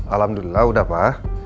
alhamdulillah udah pak